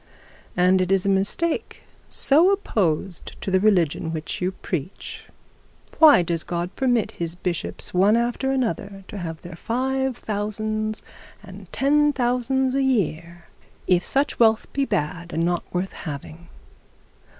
And it is a mistake so opposed to the religion which you preach! Why does God permit his bishops one after the other to have their five thousands and ten thousands a year if such wealth be bad and not worth having?